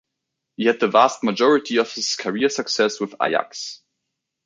He had the vast majority of his career success with Ajax.